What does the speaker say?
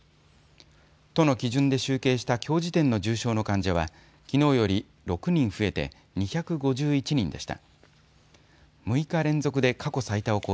都の基準で集計したきょう時点の重症の患者はきのうより６人増えて２５１人でした。